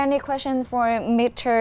bạn sẵn sàng không